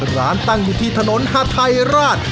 ตั้งอยู่ที่ถนนฮาไทยราช